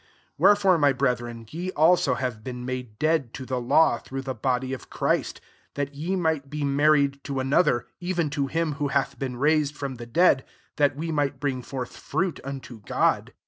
4 Wherefore, my brethren, ye also have been made dead to the law, through the body of Christ ; that ye might be mar ried to another, even to him who hath been raised from the dead, that we might bring forth fruit unto God.